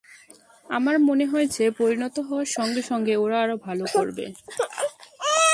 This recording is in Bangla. আমার মনে হয়েছে, পরিণত হওয়ার সঙ্গে সঙ্গে ওরা আরও ভালো করবে।